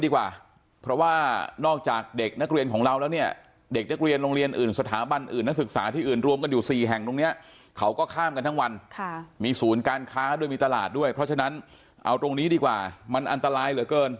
แต่วันนี้ทางวิทยาลัย